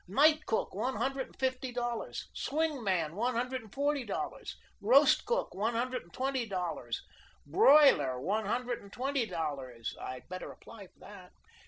Night cook, one hundred and fifty dollars; swing man, one hundred and forty dollars; roast cook, one hundred and twenty dollars; broiler, one hundred and twenty dollars. I'd better apply for that.